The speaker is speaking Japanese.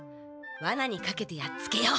罠にかけてやっつけよう。